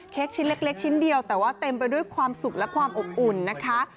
ชิ้นเล็กชิ้นเดียวแต่ว่าเต็มไปด้วยความสุขและความอบอุ่นนะคะ